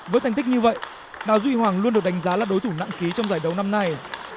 với thành tích như vậy đào duy hoàng luôn được đánh giá là đối thủ nặng ký trong giải đấu năm nay